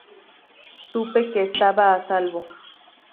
Supe que estaba a salvo.